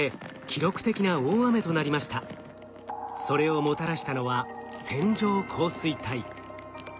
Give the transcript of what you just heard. それをもたらしたのは線状降水帯。